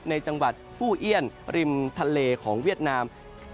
ในจังหวัดผู้เอี้ยนริมทะเลของเวียดนาม